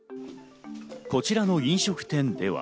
こちらの飲食店では。